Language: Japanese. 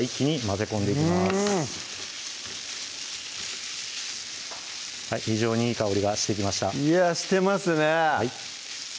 うん非常にいい香りがしてきましたしてますね